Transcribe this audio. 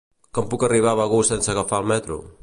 Com puc arribar a Begur sense agafar el metro?